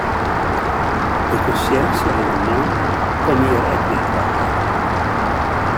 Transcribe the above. De konsjerzje en har man komme hjir ek net wei.